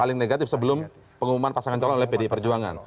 paling negatif sebelum pengumuman pasangan calon oleh pdi perjuangan